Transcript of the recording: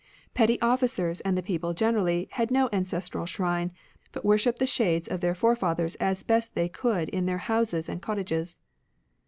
Petty oflScers and the people generally had no ancestral shrine, but worshipped the shades of their fore fathers as best they could in their houses and cottages.